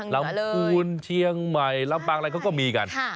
ลำพูนเชียงใหม่ลำปางอะไรเขาก็มีกัน